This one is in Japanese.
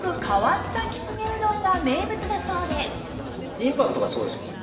インパクトがすごいんですよ。